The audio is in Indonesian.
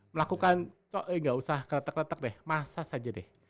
melakukan kok enggak usah kretek kretek deh massage aja deh